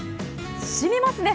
しみますね！